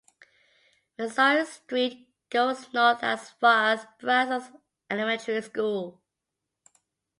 Missouri Street goes north as far as Brazos Elementary School.